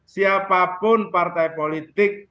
siapapun partai politik